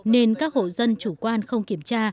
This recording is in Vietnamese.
nên các hộ dân chủ quan không kiểm tra